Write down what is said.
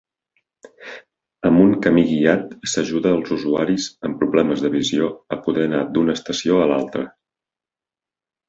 Amb un camí guiat s'ajuda els usuaris amb problemes de visió a poder anar d'una estació a l'altra.